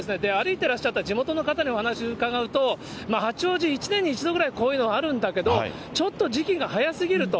てらっしゃった地元の方にお話を伺うと、八王子、１年に１度ぐらい、こういうのがあるんだけれども、ちょっと時期が早すぎると。